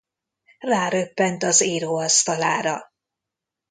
Ráröppent az íróasztalára.